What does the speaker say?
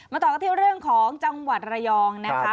ต่อกันที่เรื่องของจังหวัดระยองนะคะ